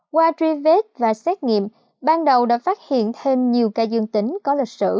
qua truy vết và xét nghiệm ban đầu đã phát hiện thêm nhiều ca dương tính có lịch sử